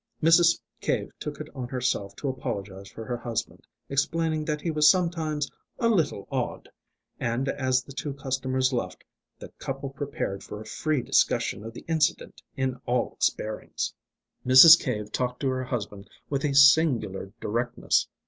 Mrs. Cave took it on herself to apologise for her husband, explaining that he was sometimes "a little odd," and as the two customers left, the couple prepared for a free discussion of the incident in all its bearings. Mrs. Cave talked to her husband with singular directness.